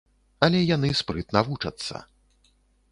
Але яны спрытна вучацца.